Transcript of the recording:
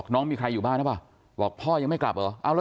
น้องมีใครอยู่บ้านเราะพ่อยังไม่กลับเหรอ